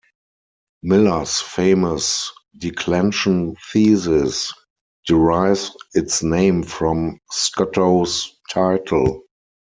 Miller's famous "declension thesis" derives its name from Scottow's title.